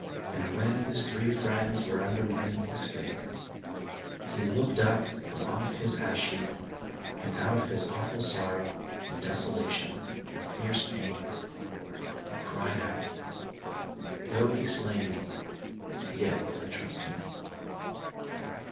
And when his three friends were undermining his faith, he looked up from off his ash heap, and out of his awful sorrow^ and desolation, and fierce pain, and cried out, "Though He slay me yet will I trust Him."